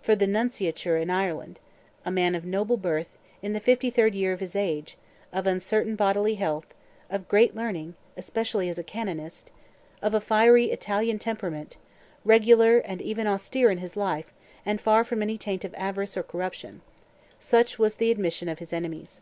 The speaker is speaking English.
for the nunciature in Ireland: a man of noble birth, in the fifty third year of his age, of uncertain bodily health, of great learning, especially as a canonist, of a fiery Italian temperament,—"regular and even austere in his life, and far from any taint of avarice or corruption,"—such was the admission of his enemies.